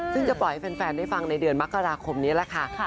ซึ่งจะปล่อยให้แฟนได้ฟังในเดือนมกราคมนี้แหละค่ะ